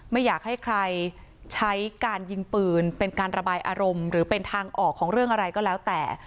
ไม่อยากให้ใครใช้การยิงปืนเป็นการระบายอารมณ์หรือเป็นทางออกของเรื่องอะไรก็แล้วแต่